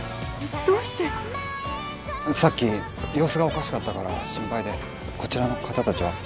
どうしてさっき様子がおかしかったから心配でこちらの方達は？